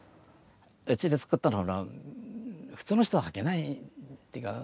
うちで作ったのは普通の人は履けないっていうか。